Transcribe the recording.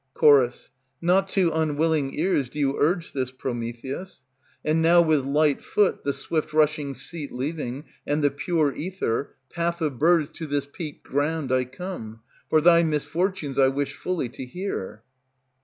Ch. Not to unwilling ears do you urge This, Prometheus. And now with light foot the swift rushing Seat leaving, and the pure ether, Path of birds, to this peaked Ground I come; for thy misfortunes I wish fully to hear.